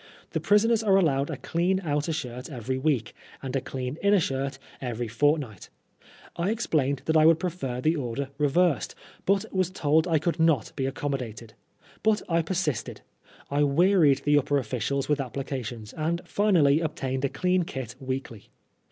The prisoners are allowed a clean outer shirt every week, and a clean inner shirt every fortnight. I ex plained that I would prefer the order reversed, but was told that I could not be accommodated. But I persisted. I wearied the upper officials with applications, and finally obtained a clean kit weekly.